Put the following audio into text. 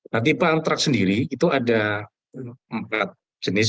nah tipe antrak sendiri itu ada empat jenis